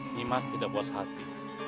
nyi mas tidak puas hati